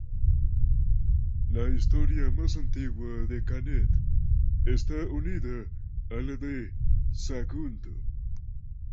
La historia más antigua de Canet está unida a la de Sagunto.